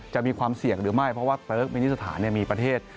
จะมีความเสี่ยงหรือไม่เพราะว่าเติร์กมินิสถานมีประเทศ